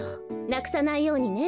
なくさないようにね。